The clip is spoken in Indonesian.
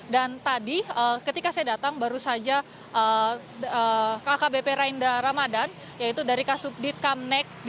dan tadi ketika saya datang baru saja kkbp raindra ramadan yaitu dari kasubdit kamnek